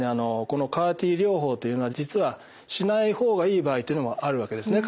このＣＡＲ−Ｔ療法というのは実はしない方がいい場合というのもあるわけですね